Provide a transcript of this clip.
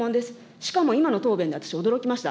しかも今の答弁で私、驚きました。